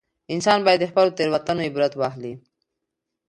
انسان باید له خپلو تېروتنو عبرت واخلي